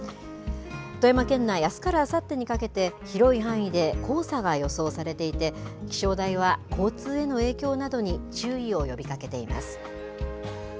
富山県内、あすからあさってにかけて、広い範囲で黄砂が予想されていて、気象台は交通への影響などに注意を呼びかけています。